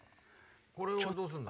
これはどうすんの？